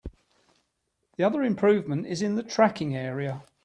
The other improvement is in the tracking area.